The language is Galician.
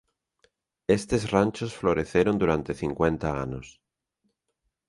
Estes ranchos floreceron durante cincuenta anos.